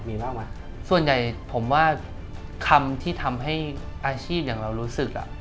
บ๊วยส่วนใหญ่ผมว่าคำที่ทำให้อาชีพเลยแบบเรารู้สึก